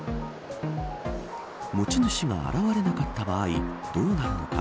持ち主が現れなかった場合どうなるのか。